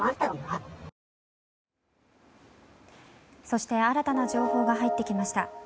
そして、新たな情報が入ってきました。